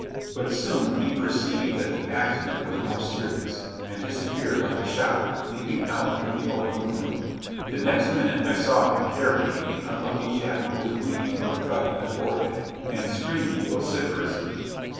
But soon he perceived that the accident was more serious; and disappeared like a shot, leaping out through the open window. The next minute I saw him carrying in the unlucky Jack, who was bleeding from a cut in the forehead, and screaming vociferously.